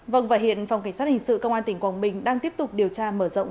vâng và hiện phòng cảnh sát hình sự công an tỉnh quảng bình đang tiếp tục điều tra mở rộng